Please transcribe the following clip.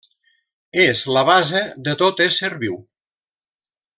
És la base de tot ésser viu.